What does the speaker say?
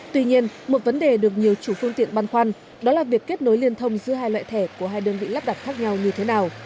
tuy nhiên một vấn đề được nhiều chủ phương tiện băn khoăn đó là việc kết nối liên thông giữa hai loại thẻ của hai đơn vị lắp đặt khác nhau như thế nào